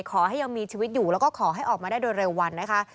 ขอให้ยังมีชีวิตอยู่แล้วก็ขอให้ออกมาได้โดยเร็ววันนะคะ